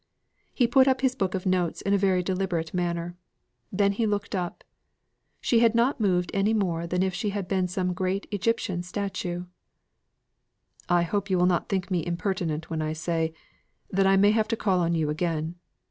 He put up his book of notes in a very deliberate manner. Then he looked up; she had not moved any more than if she had been some great Egyptian statue. "I hope you will not think me impertinent when I say, that I may have to call on you again.